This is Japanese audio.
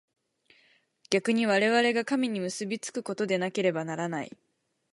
逆に我々が神に結び附くことでなければならない。